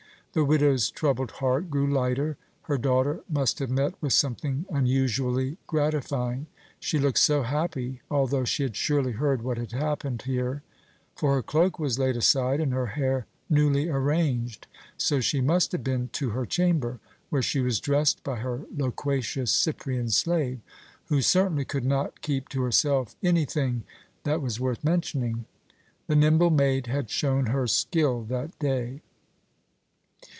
The widow's troubled heart grew lighter. Her daughter must have met with something unusually gratifying, she looked so happy, although she had surely heard what had happened here; for her cloak was laid aside and her hair newly arranged, so she must have been to her chamber, where she was dressed by her loquacious Cyprian slave, who certainly could not keep to herself anything that was worth mentioning. The nimble maid had shown her skill that day.